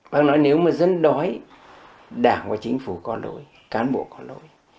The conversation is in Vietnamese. bác nói nếu mà dân đói đảng và chính phủ có lỗi cán bộ có lỗi